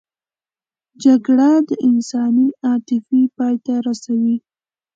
جګړه د انساني عاطفې پای ته رسوي